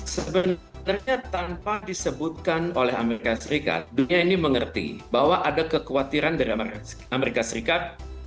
sebenarnya tanpa disebutkan oleh amerika serikat dunia ini mengerti bahwa ada kekhawatiran dari amerika serikat